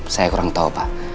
saya kurang tau pak